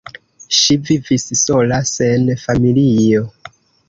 Ŝi vivis sola sen familio.